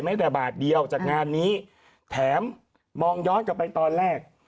แต่บาทเดียวจากงานนี้แถมมองย้อนกลับไปตอนแรก